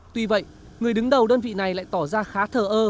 tuy vậy người đứng đầu đơn vị này lại tỏ ra khá thờ ơ